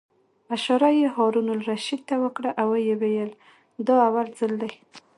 اشاره یې هارون الرشید ته وکړه او ویې ویل: دا اول ځل دی.